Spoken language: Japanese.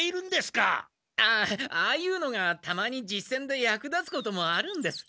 あああいうのがたまに実戦で役立つこともあるんです。